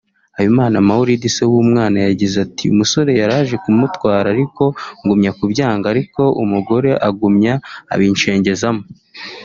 Habimana Mawuridi se w’umwana yagize ati “ umusore yaraje kumutwara ariko ngumya kubyanga ariko umugore agumya abincengezamo